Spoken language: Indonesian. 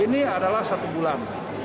ini adalah satu bulan